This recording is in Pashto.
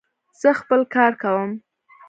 زه خپل کار کوم.